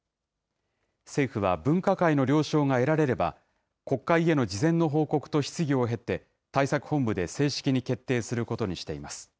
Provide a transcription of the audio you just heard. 政府は分科会の了承が得られれば、国会への事前の報告と質疑を経て、対策本部で正式に決定することにしています。